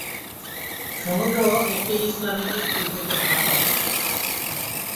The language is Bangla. সমুদ্র একটি ইসলামিক স্কুল থেকে স্নাতক।